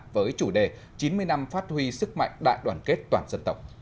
với chủ đề chín mươi năm phát huy sức mạnh đại đoàn kết toàn dân tộc